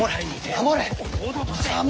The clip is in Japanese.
守れ。